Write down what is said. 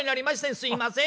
すいません。